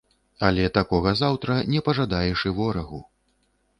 Але такога заўтра не пажадаеш і ворагу.